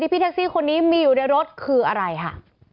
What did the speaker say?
พี่แท็กซี่คนนี้มีอยู่ในรถคืออะไรค่ะ